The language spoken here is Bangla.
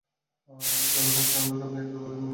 এর কারণ হচ্ছে আমরা সবাই একেবারে মলিকিউলার লেভেলে একইরকম।